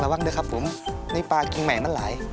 หวังด้วยครับผมนี่ปลากิงแหงนั้นหลาย